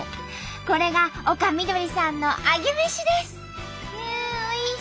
これが丘みどりさんのアゲメシです。